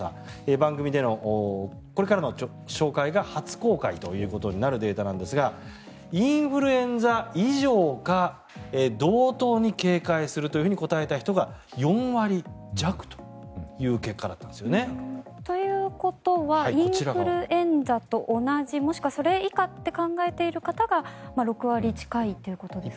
番組でのこれからの紹介が初公開となるデータですがインフルエンザ以上か、同等に警戒するというふうに答えた人が４割弱という結果だったんですね。ということはインフルエンザと同じもしくはそれ以下と考えている方が６割近いということですね。